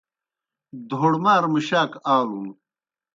دھوڑ مار مُشاک آلُن۔